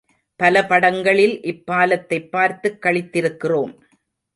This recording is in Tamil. பல படங்களில் இப்பாலத்தைப் பார்த்துக் களித்திருக்கிறோம்.